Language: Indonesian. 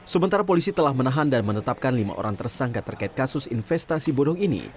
sementara polisi telah menahan dan menetapkan lima orang tersangka terkait kasus investasi bodong ini